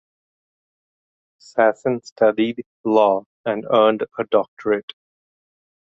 Sassen studied law and earned a doctorate.